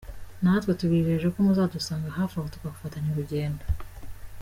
Natwe tubijeje ko muzadusanga hafi aho tugafatanya urugendo.